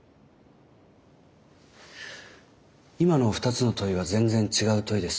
今の２つの問いは全然違う問いです。